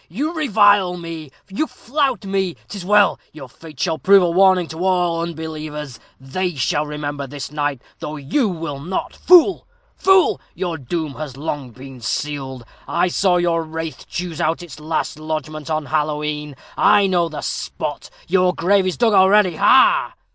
you revile me you flout me! 'Tis well! your fate shall prove a warning to all unbelievers they shall remember this night, though you will not. Fool! fool! your doom has long been sealed! I saw your wraith choose out its last lodgment on Halloween; I know the spot. Your grave is dug already ha, ha!"